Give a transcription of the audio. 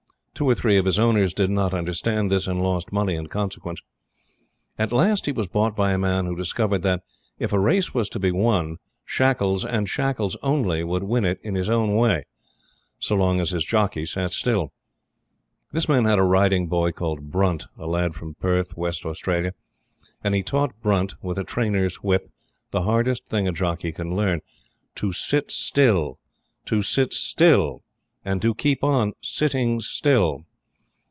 Two or three of his owners did not understand this, and lost money in consequence. At last he was bought by a man who discovered that, if a race was to be won, Shackles, and Shackles only, would win it in his own way, so long as his jockey sat still. This man had a riding boy called Brunt a lad from Perth, West Australia and he taught Brunt, with a trainer's whip, the hardest thing a jock can learn to sit still, to sit still, and to keep on sitting still.